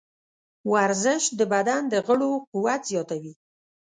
ورزش د بدن د غړو قوت زیاتوي.